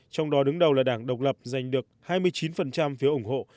trong đó đứng đầu là đảng độc lập giành được hai mươi chín phiếu ủng hộ